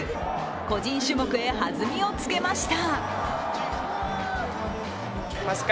個人種目へ弾みをつけました。